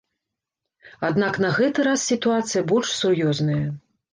Аднак на гэты раз сітуацыя больш сур'ёзная.